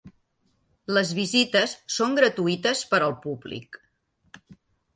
Les visites són gratuïtes per al públic.